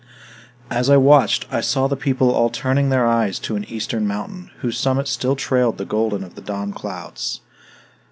As I watched, I saw the people all turning their eyes to an eastern mountain, whose summit still trailed the golden of the dawn clouds.